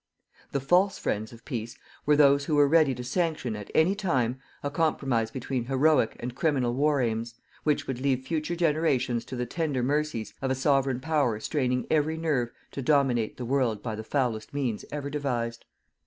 The FALSE friends of PEACE were those who were ready to sanction, at any time, a compromise between HEROIC and criminal war aims, which would leave future generations to the tender mercies of a Sovereign Power straining every nerve to dominate the world by the foulest means ever devised.